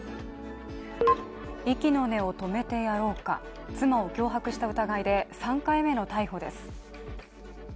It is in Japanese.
息の根を止めてやろうか妻を脅迫した疑いで３回目の逮捕です。